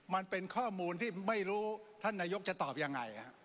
มันเป็นข้อมูลที่ไม่รู้ท่านนายกจะตอบยังไง